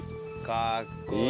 かっこいい。